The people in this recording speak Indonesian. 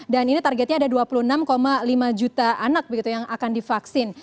dan ini targetnya ada dua puluh enam lima juta anak yang akan divaksin